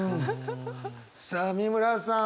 さあ美村さん。